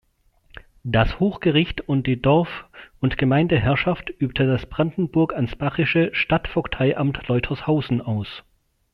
Das Hochgericht und die Dorf- und Gemeindeherrschaft übte das brandenburg-ansbachische Stadtvogteiamt Leutershausen aus.